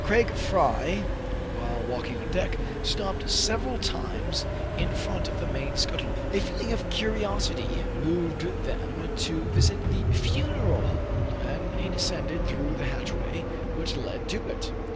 Craig Fry, while walking on deck, stopped sev eral times in front of the main scuttle. A feeling of curiosity moved them to visit the funereal hold, and they descended through the hatchway which led to it.